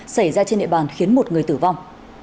xảy ra trên địa bàn khiến một người tử vong